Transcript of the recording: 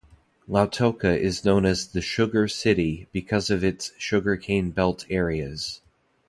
Lautoka is known as the "Sugar City" because of its sugar cane belt areas.